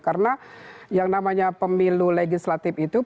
karena yang namanya pemilu legislatif itu